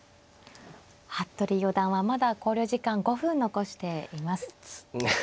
服部四段はまだ考慮時間５分残しています。